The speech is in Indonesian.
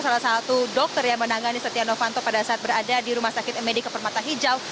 salah satu dokter yang menangani setia novanto pada saat berada di rumah sakit medika permata hijau